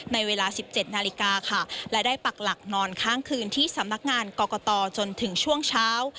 ในเวลา๑๗นาฬิกาค่ะและได้ปักหลักนอนข้างคืนที่สำนักงานกรกตจนถึงช่วงเช้า